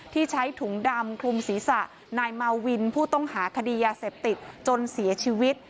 ใช้ถุงดำคลุมศีรษะนายมาวินผู้ต้องหาคดียาเสพติดจนเสียชีวิต